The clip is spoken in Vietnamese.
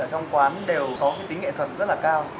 ở trong quán đều có tính nghệ thuật rất là cao